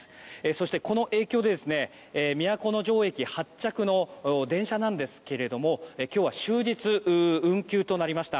そして、この影響で都城駅発着の電車なんですけれども今日は終日運休となりました。